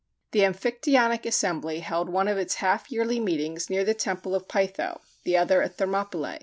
The Amphictyonic assembly held one of its half yearly meetings near the temple of Pytho, the other at Thermopylæ.